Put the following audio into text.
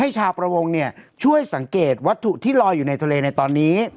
ช่วยสังเกตวัตถุที่ลอยอยู่ในทะเลในตอนนี้